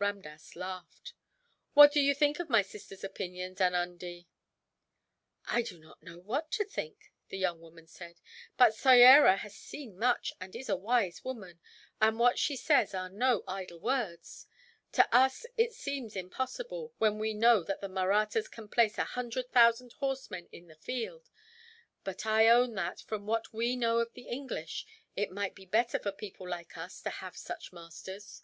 Ramdass laughed. "What do you think of my sister's opinions, Anundee?" "I do not know what to think," the young woman said; "but Soyera has seen much, and is a wise woman, and what she says are no idle words. To us it seems impossible, when we know that the Mahrattas can place a hundred thousand horsemen in the field; but I own that, from what we know of the English, it might be better for people like us to have such masters."